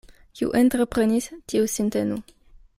Kiu entreprenis, tiu sin tenu.